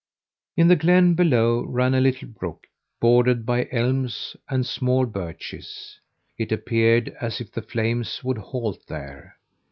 In the glen below ran a little brook, bordered by elms and small birches. It appeared as if the flames would halt there.